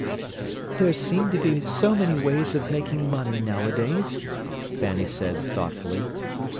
"There seem to be so many ways of making money nowadays," Fanny said thoughtfully.